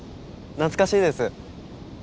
懐かしいです。